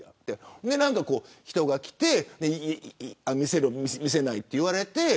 人が来て見せる、見せないとなって